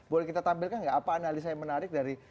boleh kita tampilkan nggak apa analisa yang menarik dari